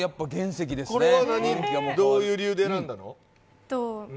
これはどういう理由で選んだの？